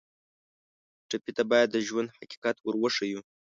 ټپي ته باید د ژوند حقیقت ور وښیو.